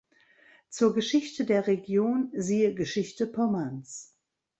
Zur Geschichte der Region siehe Geschichte Pommerns.